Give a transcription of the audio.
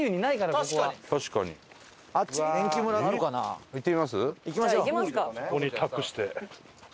そこに託して。